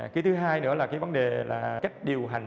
cái thứ hai nữa là cái vấn đề là cách điều hành